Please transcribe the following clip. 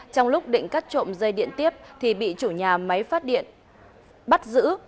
trong lúc định cắt trộm dây điện tiếp thì bị chủ nhà máy phát điện bắt giữ